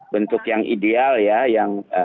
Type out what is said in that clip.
bentuk yang ideal ya yang